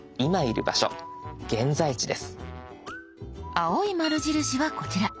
青い丸印はこちら。